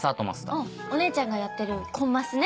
あっお姉ちゃんがやってるコンマスね！